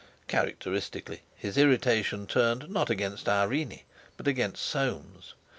Characteristically, his irritation turned not against Irene but against Soames.